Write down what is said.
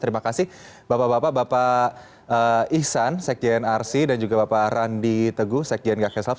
terima kasih bapak bapak bapak ishan sek jnrc dan juga bapak randi teguh sek jn gakeslav